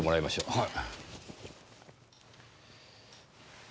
はい。